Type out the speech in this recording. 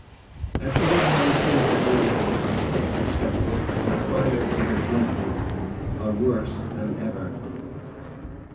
As for getting any thing for Bronte, I cannot expect it; for, the finances of Naples are worse than ever.